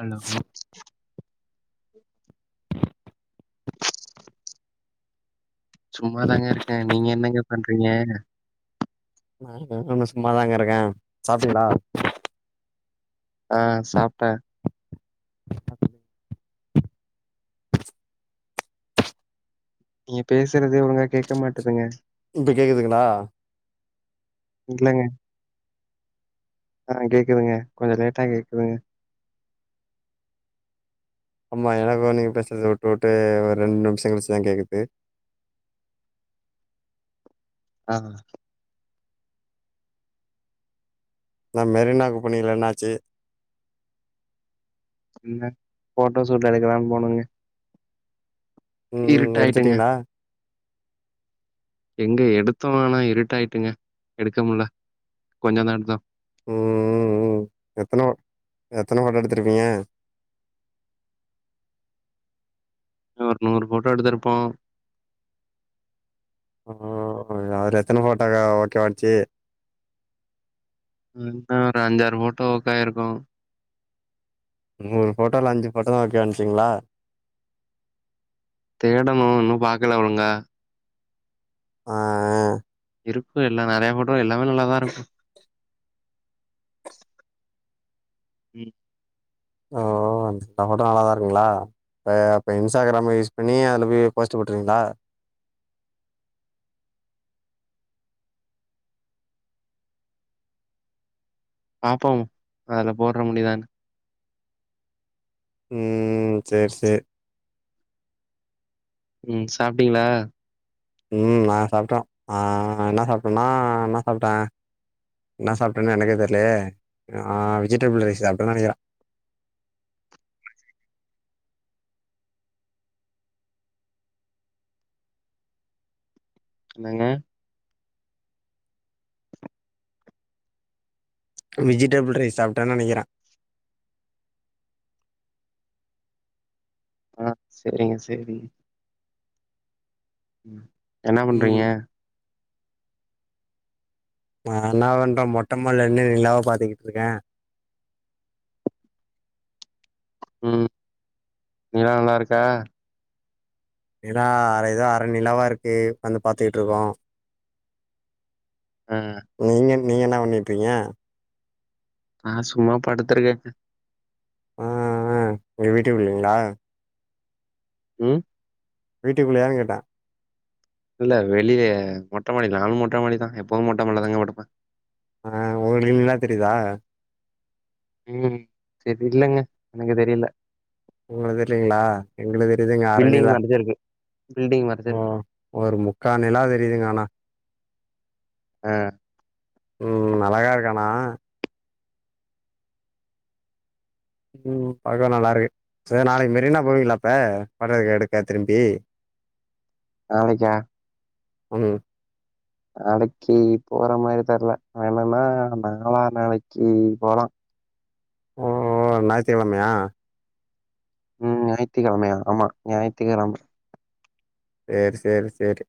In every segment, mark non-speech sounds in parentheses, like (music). Hello சும்மாதாங்க இருக்கே நீங்க என்னங்க பண்றிங்க (unintelligible) சும்மாதாங்க இருக்கே சாப்டிங்களா ஆ சாப்ட்டே நீங்க பேசுறதே ஒழுங்கா கேட்க மாட்டதுங்க இப்ப கேக்குதுங்ளா இல்லங்க ஆ கேக்குதுங்க கொஞ்சோ லேட்டா கேக்குதுங்க அம்மா எனக்கு நீங்க பேசுறது விட்டு விட்டு ஒரு ரெண்டு நிமிஷொ கழிச்சிதா கேட்குது ஆ நா மெரினாக் போனிங்ளே என்னாச்சு இல்ல போட்டோ ஷூட் எடுக்கலான் போனோங்க ம் இருட்டாயிட்டுங்க. எடுத்துட்டிங்ளா எங்க எடுத்தோ ஆனா இருட்டு ஆயிட்டுங்க எடுக்க முட்ல கொஞ்சந் தா எடுத்தோ ம் ம் ம் எத்தன எத்தன வாட்ட் எடுத்துருப்பீங்க ஒரு நூறு போட்டோ எடுத்திருப்போ ம் அதுல எத்தன போட்டக்கா ஓகே ஆச்சு ம் ஆ ஒரு அஞ்சாறு போட்டோ ஓகே ஆய்ருக்கு நூறு போட்டோல அஞ்சு போட்டோ தா ஓகே ஆனுச்சிங்ளா தேடனு இன்னு பாக்கல ஒழுங்கா ஆ இருக்கு எல்லா நெறயா போட்டோ எல்லாமே நல்லாதா இருக்கு ம் ஓ இந்த போட்டா அழகா இருக்குங்ளா இப்ப அப்ப இன்ஸ்டாகிராம யூஸ் பண்ணி அதுல போய் போஸ்ட் போட்றீங்களா பாப்போ அதுல போடுற முடிதானு ம் செரி செரி ம் சாப்டீங்கல்ல ம் நா சாப்ட்டோம் ஆ என்ன சாப்ட்டோம்னா என்ன சாப்ட்டே என்ன சாப்ட்டேன்னு எனக்கே தெரிலயே ஆ வெஜிடபிள் ரைஸ் சாப்ட்டே தா நெனைக்கிறே என்னங்க வெஜிடபிள் ரைஸ் சாப்ட்டேன்னு நெனைக்கிறே ஆ செரிங்க செரிங்க என்ன ம் பண்றீங்க நா என்ன பண்றே மொட்ட மாடில நின்னு நிலாவ பாத்துக்கிட்டுருக்கே ம் நிலா நல்லா இருக்கா ஏன்னா அ ஏதோ அரை நிலாவா இருக்கு வந்து பாத்துத்துட்டு இருக்கோம் ஆ நீங்க நீங்க என்ன பண்ணிட்ருக்கீங்க ஆ சும்மா படுத்துருக்கே ம் ம் எங்க வீட்டுக்குள்ளைங்களா ம் வீட்டுக்குள்ளேயானு கேட்ட இல்ல வெளியே மொட்ட மாடி நானும் மொட்ட மாடி தான் எப்வும் மொட்ட மாடியிலதாங்க படுப்பேன் ஆ உங்களுக்கு நிலா தெரிதா ம் செரி இல்லங்க எனக்கு தெரில உங்களுக்கு தெரிலீங்களா எங்களுக்கு தெரியுதுங்க அர பில்டிங் நிலா மறச்சிருக்கு பில்டிங் ஓ மறச்சிருக்கு ஒரு முக்கால் நிலா தெரியுதுங்க ஆனா ஆ ம் ம் அழகா இருக்கேனா ம் பக்க நல்லாருக்கு செரி நாளைக்கு மெரினா போவீங்களா இப்ப படஎடுக்க திரும்பி நாளைக்கா ம் நாளைக்கு போற மாரி தெர்ல வேணுன்னா நம்ப நாலா நாளைக்கு போலா வர ஞாயித்துக்கெழமையா ம் ஞாயித்துக்கெழமையா ஆமா ஞாயித்துக்கெழமை செரி செரி செரி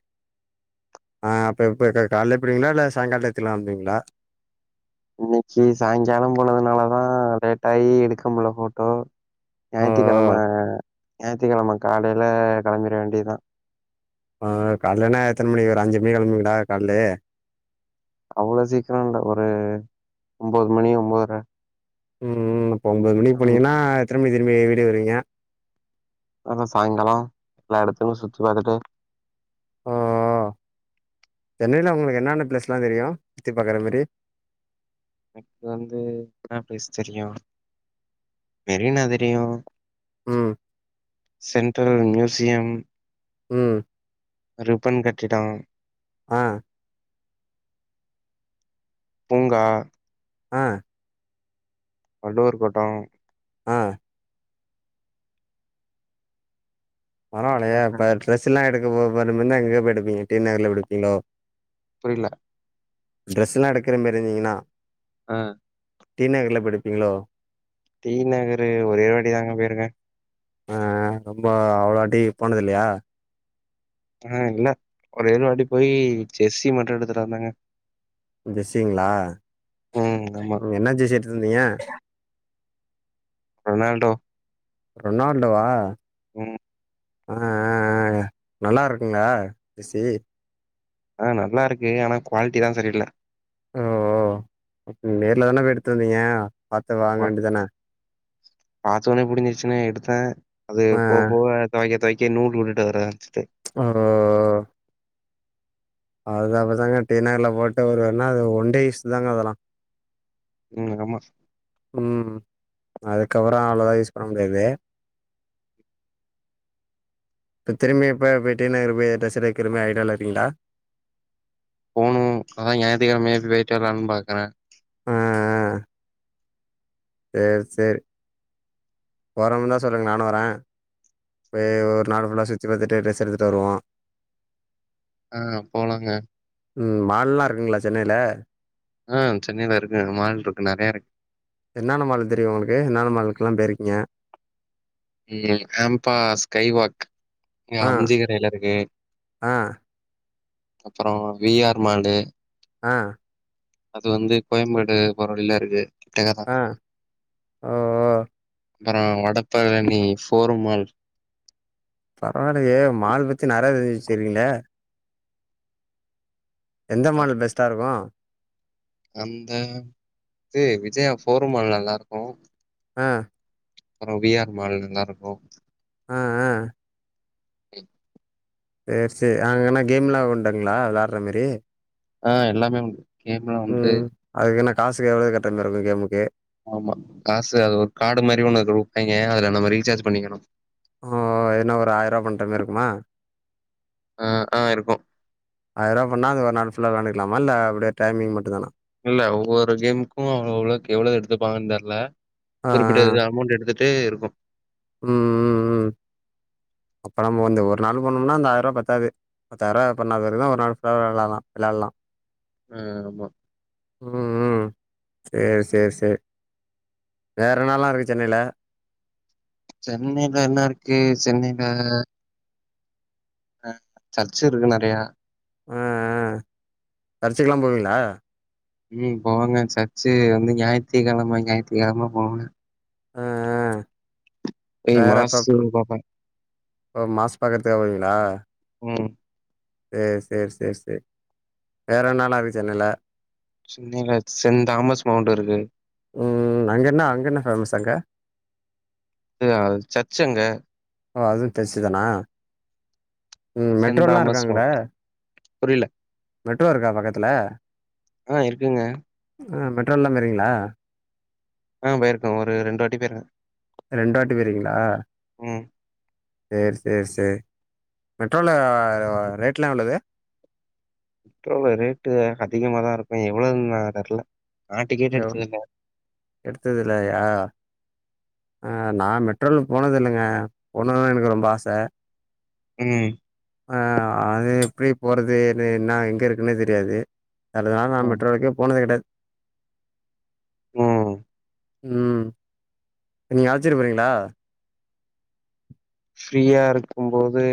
ஆ அப்ப இப்போ கால்ல போய்டுவீங்களா இல்ல சாயங்கால டயத்துல வந்தீங்களா இன்னைக்கு சாயங்காலம் போனதுனால தா லேட்டாயி எடுக்க முடில போட்டோ ஓ ஞாயித்திக்கிழம ஞாயித்திக்கிழம காலையில கெளம்பிட வேண்டியதுதா ஆ கால்லனா எத்தன மணி ஒரு அஞ்சு மணிக் கெளம்புவீங்களா கால்லேயே அவ்ளோ சீக்கிரம் இல்ல ஒரு ஒம்பது மணி ஒம்பதுர ம் ம் இப்போ ஒம்பது மணிக்கு போனீங்ன்னா எத்தன மணிக்கு திரும்பி வீட்டுக்கு வருவீங்க நல்ல சாயங்காலம் எல்லா எடத்துக்கும் சுத்தி பாத்துட்டு சென்னைல உங்களுக்கு என்னன்ன பிளேஸ்லாம் தெரியும் சுத்தி பாக்கற மாதிரி எனக்கு வந்து என்னா பிளேஸ் தெரியு மெரினா தெரியு ம் சென்ட்ரல் மியூசியம் ம் ரிப்பன் கட்டிடோ ஆ பூங்கா ஆ வள்ளுவர் கோட்டோ ஆ அப்றோ பரவாலையே என்ன இப்ப ட்ரெஸ் எல்லா எடுக்கபோகும் முன்னே எங்க போய் எடுப்பீங்க டீ நகர்ல போய் எடுப்பீங்ளோ புரில ட்ரெஸ்ல்லா எடுக்குற மேரி இருந்திங்கன்னா அ டீ நகர்ல போய் எடுப்பீங்ளோ டீ நகரு ஒரே ஒருவாட்டி தாங்க போயிருக்க ஆ ரொம்ப அவ்ளாட்டி போனதுல்லையா ஆ இல்ல ஒரே ஒரு வாட்டி போயி ஜெர்ஸி மட்டு எடுத்துட்டு வந்தங்க ஜெஸ்ஸிங்ளா ம் ஆமா நீங்க என்ன ஜெஸ்ஸி எடுத்துட்டுவந்தீங்க ரொனால்டோ ரொனால்டோவா ம் ஆ ஆ ஆ நல்லா இருக்குங்களா ஜெஸ்சி ஆ நல்லா இருக்கு ஆனா குவாலாட்டி தா சரியில்ல ஓ ஓ நேர்ல தானே போய் எடுத்து வந்தீங்க பாத்து வாங்க வேண்டிதானே பாத்த ஒட்னே புடிஞ்சிருச்சுன்னு எடுத்தே அது ஆ போக போக தொவைக்க தொவைக் கே நூல் வுட்டுட்டு வர ஆரம்ச்சிட்டு ஆரோ அது அப்டிதாங்க டீ நகர்ல போட்டு ஒரு ஒன்னா அது ஒன்டேயூஸ் தாங்க வரு ம் ஆமா ம் அதுக்கவறொ அவ்ளோதா யூஸ் பண்ண முடியாது இப்போ திரும்பி இப்போ போய்ட்டு டீ நகர் போய் டிரஸ் எடுக்குற மாதிரி ஐடியாவ்ல இருகிங்களா போனூ அதா ஞாயத்துக்கெழமையே போயிட்டு வரலாம்னு பாக்குற ஆஆ சேரி சேரி போறோம்னா சொல்லுங்க நானு வரே போய் ஒரு நாள் ஃபுல்லா சுத்தி பார்த்துட்டு ட்ரஸ் எடுத்துட்டு வருவோ ஆ போலாங்க ம் மால்லாஇருக்குங்ளா சென்னையில ம் சென்னைல இருக்குங்க மால்ருக்கு நறைய இருக்கு என்னென்ன மாலு தெரியு உங்களுக்கு என்னென்ன மாலுக்கெல்லா பேயிருக்கீங்க எல்கப்பாஸ் ஸ்கைவாக் இங்க ஆ அம்ஞ்சிகரைல இருக்கு ஆ அப்பறொ வி ஆர் மாலு ஆ அது வந்து கோயம்பேடு போற வழில இருக்கு (unintelligible) ஆ ஓ ஓ அப்புறோ வடப்பழனி நீ ப்போருமால் பரவால்லயே மால் பத்தி நெறையா தெரிஞ்ச்சி வெச்சிருகீங்ளே எந்த அ மால் பெஸ்ட்டா இருக்கு அந்த இது விஜயா ப்போருமால் நல்லா இருக்கு அ அப்புறம் வி ஆர் மால் நல்லா இருக்கு அ அ ம் சேர்சேர் அங்கனா கேம்லா உண்டுங்ளா வெளாரமாரி ஆ எல்லாமே உண்டு கேம்லா உண்டு ம் அதுக்கு என்ன காசு எவ்ளோ கட்ற மாரிருக்கு கேமுக்கு ஆமா காசு அது ஒரு கார்டு மாரி ஒண்ணுக்குடுப்பாயங்க அதுல நம்ம ரீசார்ஜ் பண்ணிக்கணு ஓ ன்னா ஒரு ஆயிரூபா பண்ணுற மாரி ருக்குமா அ அ இருக்கு ஆயிரூபா பண்ண அந்த ஒரு நாள் புல்லா வெளான்டுக்கலாம இல்ல அப்டியே டைமிங் மட்டு தானா இல்ல ஒவ்வொரு கேமுக்கு அவ்ளோக் எவ்ளோ எடுத்துப்பாங்கன்னு தெர்ல ஆ ஆ குறிப்பிட்ட இது அமௌண்ட் எடுத்துட்டு டே இருக்கு ம் ம் ம் அப்ப நம்ம வந்து ஒரு நாள் போனம்னா அந்த ஆயிரூபா பத்தாது பத்தாயிருபா பாண்ணா பெறகு ஒரு நாள் ஃபேவரா விளால்லா விளாட்லா அ ஆமா ம் ம் சேர் சேர் சேர் வேற ன்னாலா இருக்கு சென்னையில சென்னையில ன்னா இருக்கு சென்னையில ஆ சர்ச்சிருக்கு நெறையா அ அ சர்ச்சிக்கல்லா போவீங்ளா ம் போவங்க சர்ச்சு வந்து ஞாயித்துக்கெழம ஞாயித்துக்கெழம போவங்க ஆ ஏ மாசு பாப்ப ஒ மாஸ் பாக்கறதுக்காக வருவீங்ளா ம் சேர் சேர் சேர் சேர் வேற என்ன எல்லா இருக்கு சென்னையில சென்னைல சென்ட் தாமஸ் மவுண்ட் இருக்கு ம் அங்கென்ன அங்கென்ன ஃபேமஸ் அங்க து அது சர்ச்சுங்க ஓ அதுவு சர்ச்சு தானா ம் சென்ட் மெட்ரோல்லா இருக்கா தாமஸ் அங்கட மவுண்ட் புரில மெட்ரோ இருக்கா பக்கத்துல ஆ இருக்குங்க ஆ மெட்ரோல்லா போயிருக்கீங்ளா ஆ போயிருக்க ஒரு ரெண்டு வாட்டி போயிருக்க ரெண்டு வாட்டி போய்ருகிங்களா ம் சேர் சேர்சேர் மெட்ரோல ரேட்லா எவ்ளவு மெட்ரோல ரேட்டு அதிகமா தா இருக்கு எவ்ளவுன்னு நா தெர்ல நா டிக்கெட் எடுத்ததுல்ல எடுத்ததுல்லையா நா மெட்ரோல போனது இல்லங்க போணுன்னு எனக்கு ரொம்ப ஆச ம் அ அது எப்டி போறது எது என்ன எங்க இருக்குன்னே தெரியாது அதனால நா ம் மெட்ரோக்கே போனது கெடையாது ம் ம் நீங்க அலச்சிட்டு போறீங்களா ஃப்ரீயா இருக்கும் போது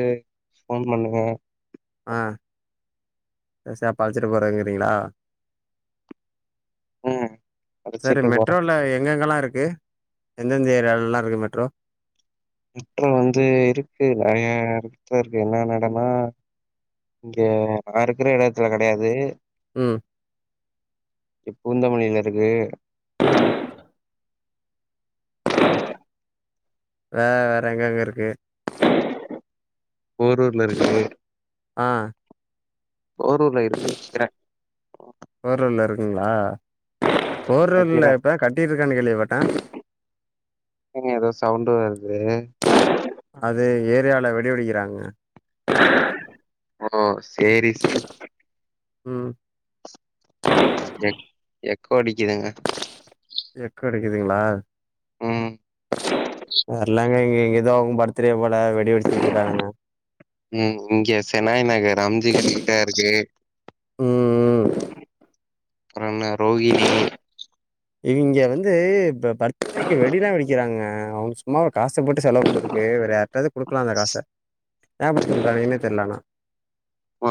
ஃபோன் பண்ணுங்க ஆ பெஸ்சாப் அல்ச்சிட்டு போறீங்கிறீங்ளா ம் செரி அடிச்சிட்டு போறேன் மெட்ரோல்ல எங்கெங்கல்லா இருக்கு எந்தெந்த ஏரியாயெல்லல்லா இருக்கு மெட்ரோ மெட்ரோ வந்து இருக்கு நெறையா எடத்ல இருக்கு என்னென்ன எடனா இங்க நா இருக்கிற எடத்துல கெடையாது ம் இப் பூந்தமல்லில இருக்கு பிளாக் வேற எங்கெங்க இருக்கு போர்ரூர்ல இருக்கு ஆ போரூர்ல்ல இருக்கு க்கிறே போரூர்ல்ல இருக்குங்ளா போரூர்ல்ல நெனைக்கிறேன் இப்பதா கட்டிருக்கா கேள்விபட்ட எங்க ஏதோ சவுண்டு வருது அது ஏரியாவு ல வெடிவெடிக்றாங்க ஓ சேரி சேரி ம் எக் எக்கோ அடிக்குதுங்க எக்கோ அடிக்குதுங்ளா ம் தெர்ல ஏங்க இங்க இங்க ஏதோவு பர்த்டே போல வெடி வெடிச்சுட்டு இருக்கானுங்க ம் இங்க செனாய் நகர் அம்ச்சி கிட்ட இருக்கு ம், ம். அப்பற என்ன ரோகினி இங்க வந்து பர்த்டேக்கு வெடிலா வெடிக்கிறாங்க (unintelligible) சும்மா ஒரு காச போட்டு செலவு பண்றதுக்கு வேற யார்ட்டாவது குடுக்லா அந்த காச ஏ இப்டி பன்றாங்கனே தெரியல ஆனா ஒ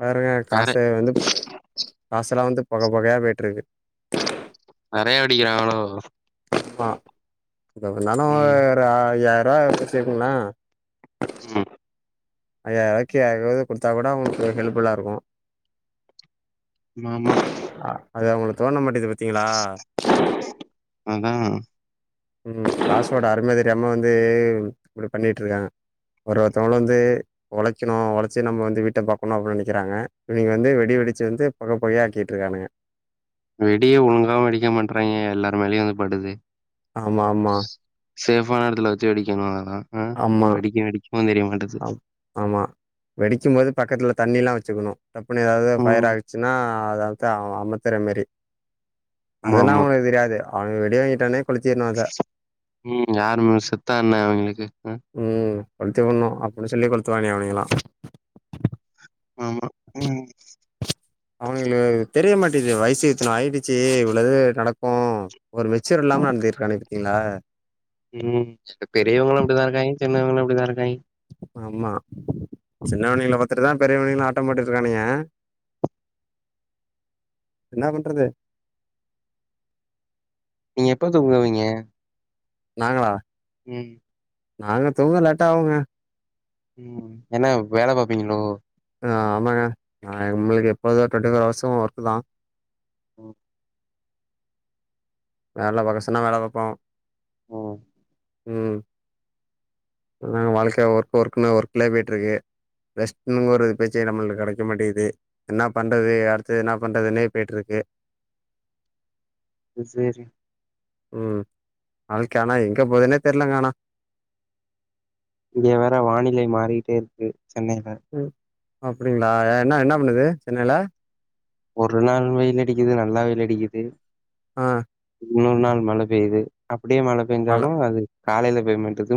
பாருங்க நெற காச வந்து காசெல்லா வந்து பொக பொகயா போயிட்டு இருக்கு நெறைய வெடிக்கிறாங்களோ ஆமா எப்டி இருந்தாலு ஒ ம் ஒரு ஆயி ஐயா (unintelligible) வச்சுங்ளே ஆமா ஐயாயிரூவாக்கி யாருக்காவது குடுத்தா கூட அவுங்களுக்கு ஒரு ஹெல்ப் ஃபுல்லா இருக்கு ஆமா ஆமா அ அது அவுங்ளுக்கு தோண மாட்டுது பாத்தீங்ளா அதா ம் காசோட அரும தெரியாம வந்து இப்டி பண்ணிட்டுருக்காங்க ஒரு ஒருத்தவங்களு வந்து உழைக்கணு உழச்சு நம்ம வந்து வீட்ட பாக்கணு அப்டின்னு நெனைக்கிறாங்க இவங்க வந்து வெடி வெடிச்சு வந்து பொக போகயா ஆக்கிட்டுருக்கானுங்க வெடியு ஒழுங்காவு வெடிக்க மாட்றாங்க எல்லாருமேலயு வந்து படுது ஆமா ஆமா சேஃபான எடத்துல வச்சு வெடிக்கணு அதெல்லா ஆ ஆமா, வெடிக்கு வெடிக்கவு தெரிய மாட்டுது ஆம், ஆமா வெடிக்கும் போது பக்கத்துல தண்ணில்லா வச்சுக்கணு டப்புன்னு ஏதாவது ஃபயர் ம் ஆயி ச்சுனா அத அத்தா அமத்தர மாரி ஆமா அதெல்லா ஆமா ஒனக்கு தெரியாது அவனுங்க வெடி வாங்கிட்டானே கொளுஞ்சிக்கினுவா அத ம் யாருமே செத்தா என்ன அவெங்களுக்கு ம் ம் கொளுத்தி புட்ணு அப்டி சொல்லி கொளுத்துவாங்க அவெங்கெலா ஆமா ம் அவனுகளுக்கு தெரிய மாட்டேன்து வயசு இத்தண ஆயிடுச்சு இவ்ளது நடக்கோ ஒரு மெச்சூர் இல்லாம நடந்திட்ருக்கானே இருத்தீங்களா ம் இப்ப பெரியவங்களும அப்பிடிதா இருக்காய்ங்க சின்னவங்கெளு அப்பிடித்தா இருக்காய்ங்க ஆமா சின்னவங்கெள பாத்துட்டுதா பெரியவணங்க ஆட்டம் போட்டுடு இருக்கானுய (inaudible) என்னா பண்றது நீங்க எப்ப தூங்குவீங்க நாங்களா ம் நாங்க தூங்க லேட்டா ஆவுங்க ம் என்ன வேல பாப்பீங்களோ ஆ ஆமாங்க நா எங்களுக்கு எப்போது ட்வெண்ட்டி ஃபோர் ஹவர்ஸு ஒர்க் தா ம் வேல பாக்க சொன்ன வேல பாப்போ ம் ம் இப்பனா வாழ்க்கைய ஒர்க்கு ஒர்க்குன்னு ஒர்க்லயே பேயிட்டு இருக்கு ரெஸ்டின் ஒரு பீச்சே நம்மளுக்கு கிடைக்க மாட்டேகுது என்ன பண்றது அடுத்தது என்ன பண்றதுனே பேயிட் இருக்கு இன் செரி ம் வாழ்க்க ஆனா எங்க போதுனே தெர்லங்க ஆனா இங்க வேற வானிலை மாறிட்டே இருக்கு சென்னைலே ம் அப்படிங்களா என்ன என்ன பண்ணுது சென்னையில ஒரு நாள் வெயில் அடிக்குது நல்லா வெயில் அடிக்குது ஆ இன்னொரு நாள் மழ பெய்து அப்டியே மழ பெஞ்சாலு அது காலையில பெய்ய மாட்டுது